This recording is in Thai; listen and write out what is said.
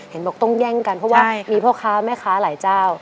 เห็นบอกต้องแย่งกันเพราะว่ามีพ่อค้าแม่ค้าหลายเจ้า